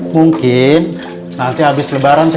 mungkin nanti abis lebaran t